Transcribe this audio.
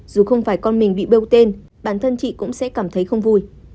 dù không phải con mình bị bêu tên bản thân chị cũng sẽ cảm thấy không vui